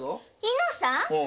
伊之さん？